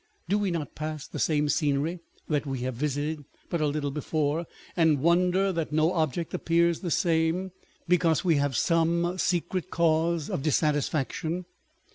Do we not pass the same scenery that we have visited but a little before, and wonder that no object appears the same, because we have some secret cause of dissatisfaction